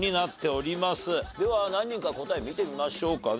では何人か答え見てみましょうかね。